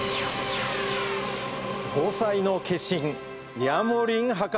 防災の化身ヤモリン博士じゃ！